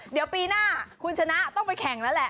เดี๋ยวปีหน้าคุณชนะต้องไปแข่งแล้วแหละ